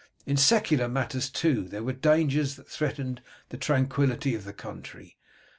In secular matters, too, there were dangers that threatened the tranquillity of the country.